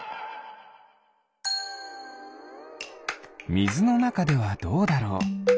みずのなかではどうだろう？